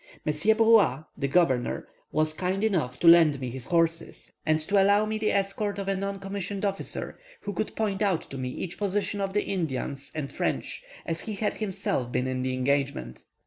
Monsieur Bruat, the governor, was kind enough to lend me his horses, and to allow me the escort of a non commissioned officer, who could point out to me each position of the Indians and French, as he had himself been in the engagement.